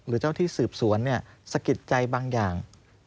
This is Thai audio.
หรือเจ้าที่สืบสวนสะกิดใจบางอย่าง